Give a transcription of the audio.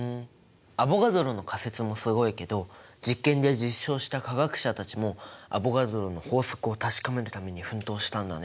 アボガドロの仮説もすごいけど実験で実証した科学者たちもアボガドロの法則を確かめるために奮闘したんだね。